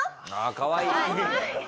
かわいい！